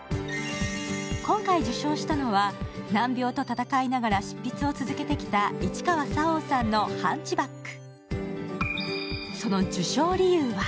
今回受賞したのは難病と戦いながら執筆を続けてきた市川沙央さんの「ハンチバック」。